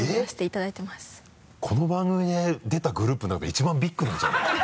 この番組で出たグループの中で一番ビッグなんじゃないかな？